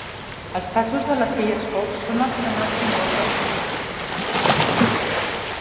Els passos de les Illes Fox són els canals que envolten les illes.